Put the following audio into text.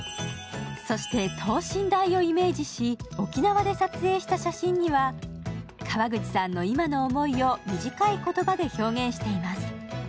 そして、等身大をイメージし、沖縄で撮影した写真には川口さんの今の思いを短い言葉で表現しています。